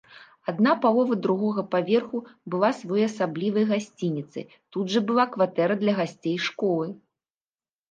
Адна палова другога паверху была своеасаблівай гасцініцай, тут жа была кватэра для гасцей школы.